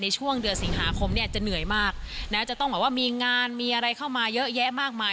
ในช่วงเดือนสิงหาคมเนี่ยจะเหนื่อยมากนะจะต้องแบบว่ามีงานมีอะไรเข้ามาเยอะแยะมากมาย